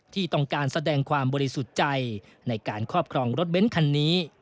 ที่ต้องการแสดงความบริสุทธิ์ใจในการครอบครองรถเบ้นคันนี้